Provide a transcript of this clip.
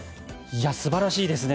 素晴らしいですね。